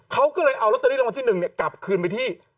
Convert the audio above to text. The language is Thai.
เขาก็เลยเอาร็อตเตอรี่ร้อนที่๑เนี่ยกลับคืนไปที่